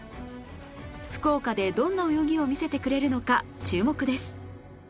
福岡でどんな泳ぎを見せてくれるのか注目です